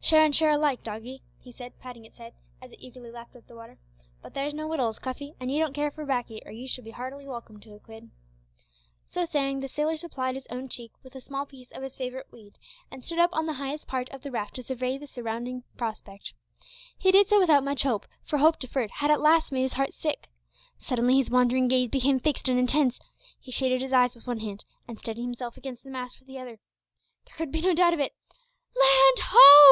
"Share and share alike, doggie," he said, patting its head, as it eagerly lapped up the water; "but there's no wittles, Cuffy, an' ye don't care for baccy, or ye should be heartily welcome to a quid." So saying, the sailor supplied his own cheek with a small piece of his favourite weed, and stood up on the highest part of the raft to survey the surrounding prospect. He did so without much hope, for "hope deferred" had at last made his heart sick. Suddenly his wandering gaze became fixed and intense. He shaded his eyes with one hand, and steadied himself against the mast with the other. There could be no doubt of it! "Land ho!"